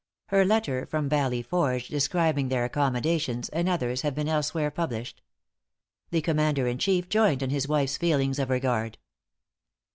Her letter from Valley Forge, describing their accommodations, and others have been elsewhere published. The Commander in chief joined in his wife's feelings of regard.